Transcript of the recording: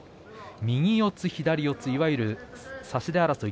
右四つ、左四ついわゆる差し手争い。